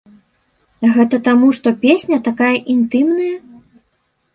Гэта таму, што песня такая інтымная?